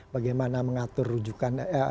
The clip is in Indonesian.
bagaimana mengatur rujukan